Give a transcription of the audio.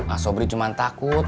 asobri cuman takut